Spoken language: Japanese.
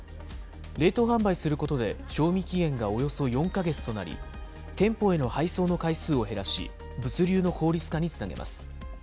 冷凍販売することで、賞味期限がおよそ４か月となり、店舗への配送の回数を減らし、物流の効率化につなげます。